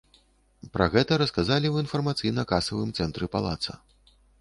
Пра гэта расказалі ў інфармацыйна-касавым цэнтры палаца.